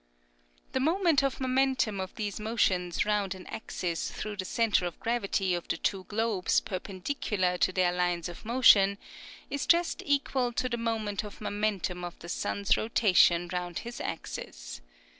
The moment of momentum of these motions round an axis through the centre of gravity of the two globes perpendicular to their lines of motion, is just equal to the moment of momentum of the sun's rotation round his axis.